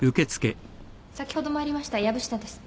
先ほど参りました藪下です。